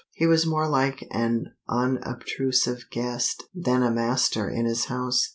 He was more like an unobtrusive guest than a master in his house.